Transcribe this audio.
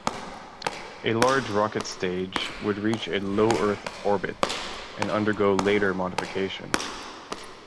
A large rocket stage would reach a low Earth orbit and undergo later modification.